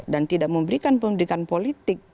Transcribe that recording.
dan tidak memberikan pendidikan politik